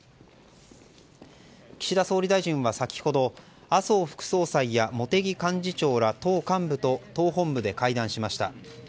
岸田総理大臣は先ほど麻生副総裁や茂木幹事長ら党幹部と党本部で会談しました。